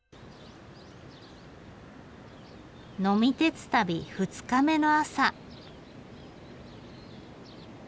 呑み鉄旅二日目の朝。